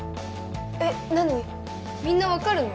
えっなにみんなわかるの？